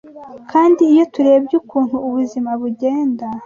Kandi iyo turebye ukuntu ubuzima bugenda